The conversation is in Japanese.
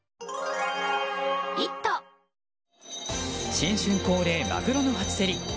新春恒例、マグロの初競り。